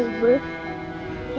maafin aku ya pak